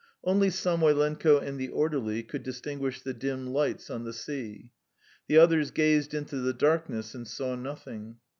Only Samoylenko and the orderly could distinguish the dim lights on the sea. The others gazed into the darkness and saw nothing.